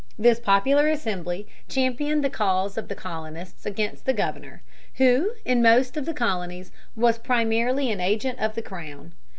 This popular assembly championed the cause of the colonists against the governor, who in most of the colonies was primarily an agent of the Crown.